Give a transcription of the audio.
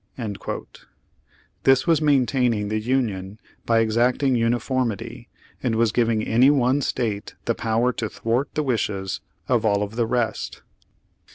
"^ This was maintaining the Union by exacting uni foiTnity, and was giving any one State the power to thwart the wishes of all of the rest.